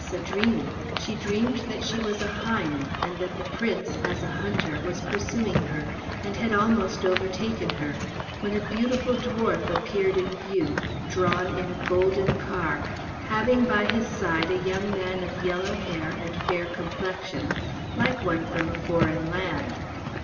a dream. She dreamed that she was a hind, and that the Prince, as a hunter, was pursuing her, and had almost overtaken her, when a beautiful dwarf appeared in view, drawn in a golden car, having by his side a young man of yellow hair and fair complexion, like one from a foreign land.